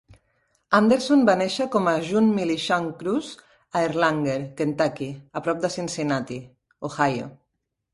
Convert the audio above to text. Anderson va néixer com a June Millichamp Kruse a Erlanger, Kentucky, a prop de Cincinnati, Ohio.